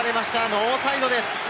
ノーサイドです。